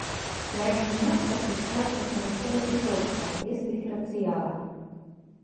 Пярэдні мост падключаецца прымусова і жорстка, без дыферэнцыяла.